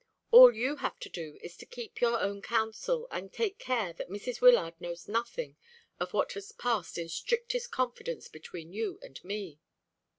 All you have to do is to keep your own counsel, and take care that Mrs. Wyllard knows nothing of what has passed in strictest confidence between you and me."